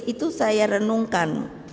itu saya renungkan